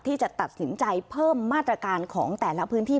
ที่จะตัดสินใจเพิ่มมาตรการของแต่ละพื้นที่